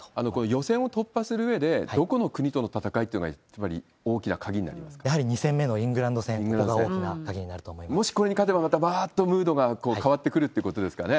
予選を突破するうえで、どこの国との戦いというのが、ずばり、やはり２戦目のイングランドもしこれに勝てば、わーっとムードが変わってくるということですかね。